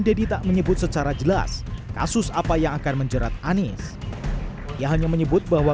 deddy tak menyebut secara jelas kasus apa yang akan menjerat anies ia hanya menyebut bahwa